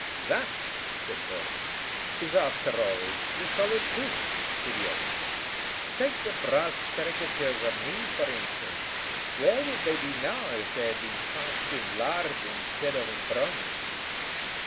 "That," said Burns, "is, after all, the solid truth, Phidias. Take the brass caricatures of me, for instance. Where would they be now if they had been cast in lard instead of in bronze?"